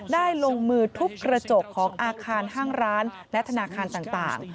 ลงมือทุบกระจกของอาคารห้างร้านและธนาคารต่าง